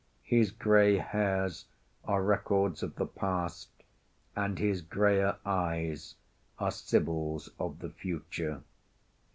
His gray hairs are records of the past, and his grayer eyes are sibyls of the future.